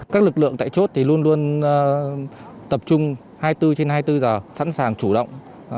các lực lượng tại chốt thì luôn luôn tập trung hai mươi bốn trên hai mươi bốn giờ sẵn sàng chủ động